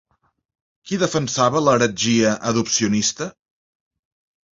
Qui defensava l'heretgia adopcionista?